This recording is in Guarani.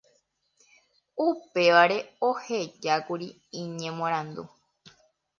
upévare ohejákuri iñemoarandu